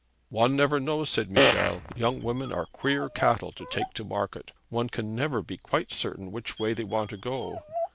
'One never knows,' said Michel. 'Young women are queer cattle to take to market. One can never be quite certain which way they want to go.